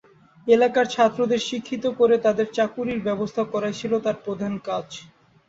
এলাকার ছাত্রদের শিক্ষিত করে তাদের চাকুরীর ব্যবস্থা করাই ছিল তার প্রধান কাজ।